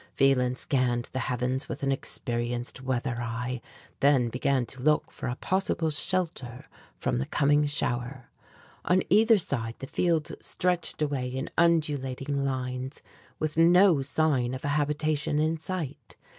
Phelan scanned the heavens with an experienced weather eye, then began to look for a possible shelter from the coming shower. On either side, the fields stretched away in undulating lines, with no sign of a habitation in sight.